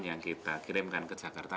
yang kita kirimkan ke jakarta